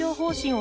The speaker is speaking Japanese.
を